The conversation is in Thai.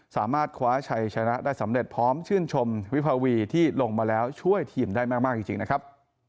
สามารถคว้าชัยชนะได้สำเร็จพร้อมชื่นชมวิภาวีที่ลงมาแล้วช่วยทีมได้มากจริงนะครับ